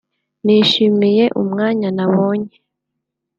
“Nishimiye umwanya nabonye